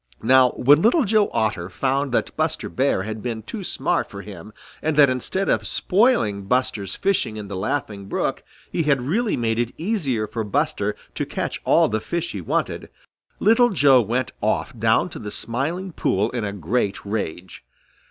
Now when Little Joe Otter found that Buster Bear had been too smart for him and that instead of spoiling Buster's fishing in the Laughing Brook he had really made it easier for Buster to catch all the fish he wanted, Little Joe went off down to the Smiling Pool in a great rage.